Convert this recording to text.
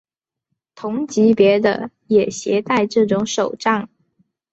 同级别的也携带这种手杖。